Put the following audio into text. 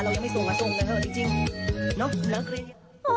เรายังไม่ส่งมาส่งเลยเหรอจริงเนาะนักเรียนยา